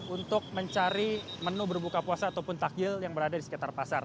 untuk mencari menu berbuka puasa ataupun takjil yang berada di sekitar pasar